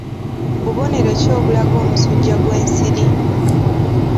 Bubonero ki obulaga omusujja gw'ensiri?